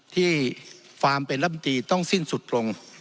ความเป็นรัฐมนตรีต้องสิ้นสุดลง